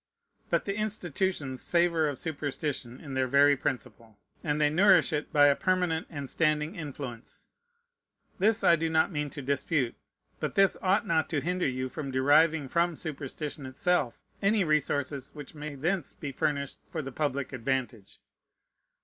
But the institutions savor of superstition in their very principle; and they nourish it by a permanent and standing influence. This I do not mean to dispute; but this ought not to hinder you from deriving from superstition itself any resources which may thence be furnished for the public advantage.